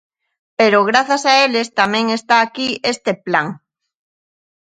Pero grazas a eles tamén está aquí este plan.